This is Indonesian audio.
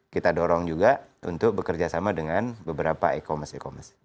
kita dorong juga untuk bekerja sama dengan beberapa e commerce e commerce